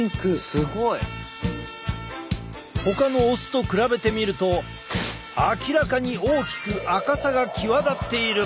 すごい。ほかのオスと比べてみると明らかに大きく赤さが際立っている。